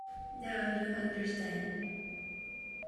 Now, you understand.